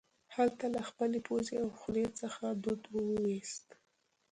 هغه له خپلې پوزې او خولې څخه دود وایوست